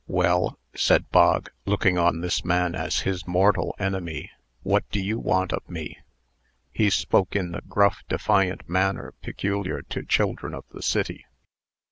"Well," said Bog, looking on this man as his mortal enemy, "What do you want of me?" He spoke in the gruff, defiant manner peculiar to children of the city.